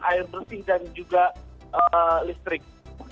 air bersih dan juga listrik